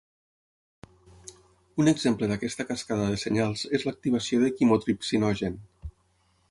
Un exemple d’aquesta cascada de senyals és l’activació de quimotripsinogen.